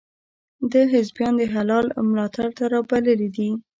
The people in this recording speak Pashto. ده حزبیان د هلال ملاتړ ته را بللي دي.